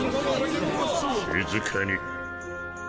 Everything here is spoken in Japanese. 静かに。